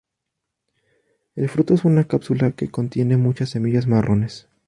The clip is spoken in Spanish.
El fruto es una cápsula que contiene muchas semillas marrones.